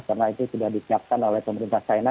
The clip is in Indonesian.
karena itu sudah disiapkan oleh pemerintah china